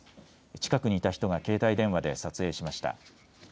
近くにいた人が携帯電話で撮影しました。